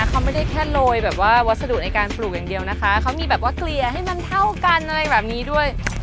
เขาไม่ได้แค่โรยแบบว่าวัสดุในการปลูกอย่างเดียวนะคะเขามีแบบว่าเกลี่ยให้มันเท่ากันอะไรแบบนี้ด้วย